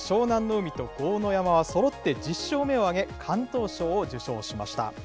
海と豪ノ山はそろって１０勝目を挙げ、敢闘賞を受賞しました。